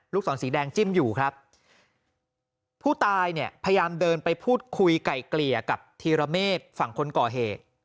ศรสีแดงจิ้มอยู่ครับผู้ตายเนี่ยพยายามเดินไปพูดคุยไก่เกลี่ยกับธีรเมฆฝั่งคนก่อเหตุ